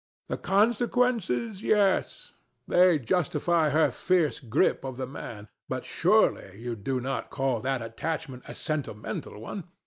The consequences, yes: they justify her fierce grip of the man. But surely you do not call that attachment a sentimental one.